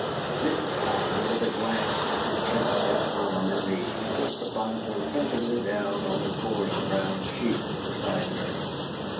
Mrs. Cowan, with a glance of contempt at Tom and me, put the bundle tenderly down on the coarse brown sheet beside her.